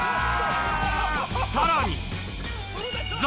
さらに『ザ！